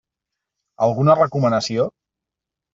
Alguna recomanació?